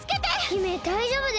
姫だいじょうぶです。